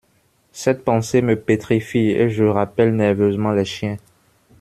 Cette pensée me pétrifie et je rappelle nerveusement les chiens.